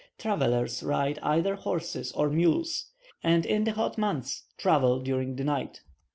Travellers ride either horses or mules, and in the hot months travel during the night.